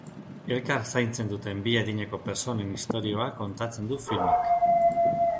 Elkar zaintzen duten bi adineko pertsonen istorioa kontatzen du filmak.